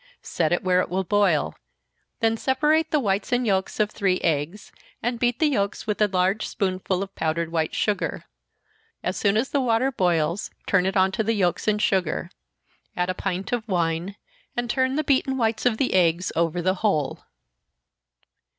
Set it where it will boil then separate the whites and yelks of three eggs, and beat the yelks with a large spoonful of powdered white sugar. As soon as the water boils, turn it on to the yelks and sugar add a pint of wine, and turn the beaten whites of the eggs over the whole.